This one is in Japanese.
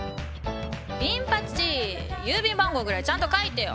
ビン八郵便番号ぐらいちゃんと書いてよ！